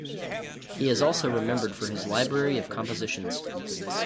He is also remembered for his library of compositions.